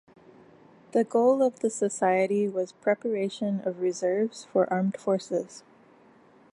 The goal of the society was preparation of reserves for armed forces.